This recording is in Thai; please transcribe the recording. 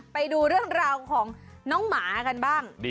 ไปดูเรื่องราวของน้องหมากันบ้าง